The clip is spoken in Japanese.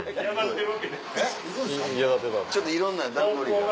ちょっといろんな段取りが。